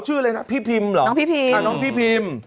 ชื่ออะไรนะพี่พิมรึน้องพีพิม